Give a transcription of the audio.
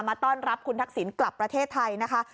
ต้อนรับคุณทักษิณกลับประเทศไทยนะคะ